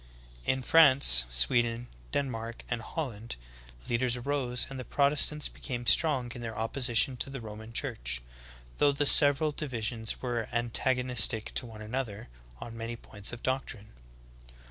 In France, Sweden, Denmark, and Holland, leaders arose and the Protestants became strong in their opposition to the Roman Church, though the several divisions were antagonistic to one anoth er on many points of doctrine.